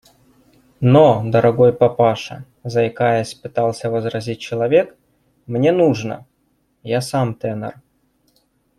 – Но, дорогой папаша, – заикаясь, пытался возразить человек, – мне нужно… я сам тенор.